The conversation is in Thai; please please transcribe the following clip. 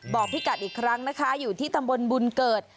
พี่กัดอีกครั้งนะคะอยู่ที่ตำบลบุญเกิด